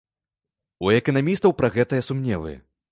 У эканамістаў пра гэтае сумневы.